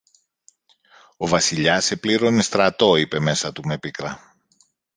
Ο Βασιλιάς επλήρωνε στρατό είπε μέσα του με πίκρα